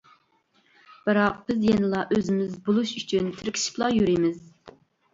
بىراق، بىز يەنىلا ئۆزىمىز بولۇش ئۈچۈن تىركىشىپلا يۈرىمىز.